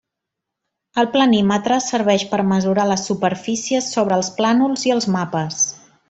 El planímetre serveix per mesurar les superfícies sobre els plànols i els mapes.